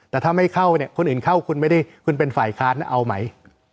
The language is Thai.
แต่ถ้าไม่เข้าเนี่ยคนอื่นเข้าคุณไม่ได้คุณเป็นฝ่ายค้านเอาไหม